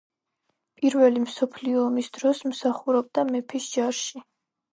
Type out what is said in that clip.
პირველი მსოფლიო ომის დროს მსახურობდა მეფის ჯარში.